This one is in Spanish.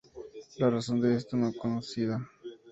La razón de esto no es conocida.